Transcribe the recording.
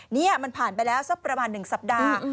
นี่มันผ่านไปแล้วสักประมาณ๑สัปดาห์